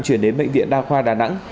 chuyển đến bệnh viện đa khoa đà nẵng